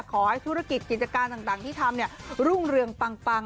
ขอให้ธุรกิจกิจการต่างที่ทำรุ่งเรืองปัง